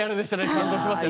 感動しました。